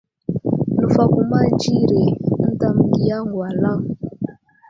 Nəfakoma dzire ənta məgiya ŋgalaŋ.